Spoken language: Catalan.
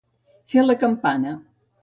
Fer la campana.